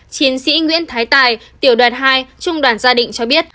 chiến sĩ nguyễn thái tài tiểu đoàn hai trung đoàn gia định cho biết